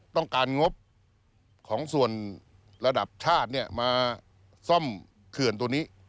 ต้องการงบของส่วนระดับชาติเนี่ยมาซ่อมเขื่อนตัวนี้